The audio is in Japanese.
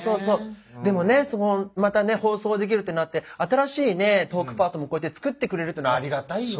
でもねまた放送できるってなって新しいトークパートもこうやって作ってくれるっていうのありがたい。